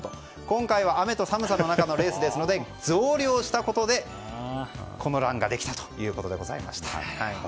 今回は、雨と寒さの中のレースですので増量したことでこのランができたと。